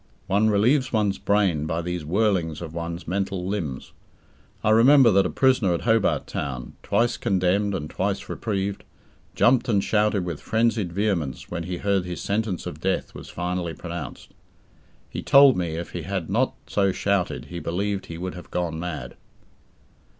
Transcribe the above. One relieves one's brain by these whirlings of one's mental limbs. I remember that a prisoner at Hobart Town, twice condemned and twice reprieved, jumped and shouted with frenzied vehemence when he heard his sentence of death was finally pronounced. He told me, if he had not so shouted, he believed he would have gone mad.